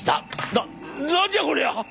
「な何じゃこりゃ！？」。